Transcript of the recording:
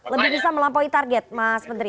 lebih bisa melampaui target mas menteri